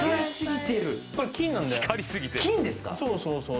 そうそうそう。